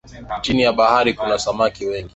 Chini ya bahari kuna samaki wengi